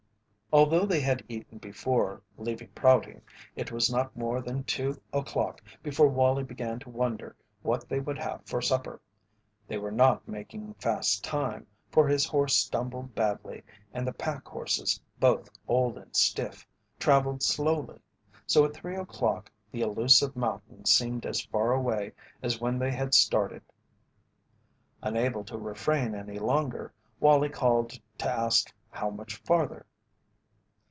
Although they had eaten before leaving Prouty, it was not more than two o'clock before Wallie began to wonder what they would have for supper. They were not making fast time, for his horse stumbled badly and the pack horses, both old and stiff, travelled slowly, so at three o'clock the elusive mountains seemed as far away as when they had started. Unable to refrain any longer, Wallie called to ask how much farther.